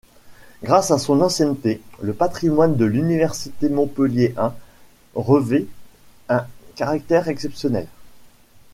Grâce à son ancienneté, le patrimoine de l'université Montpellier-I revêt un caractère exceptionnel.